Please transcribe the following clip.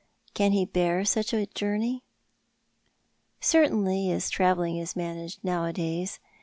Can he bear such a journey ?"" Certainly, as travelling is managed nowadays.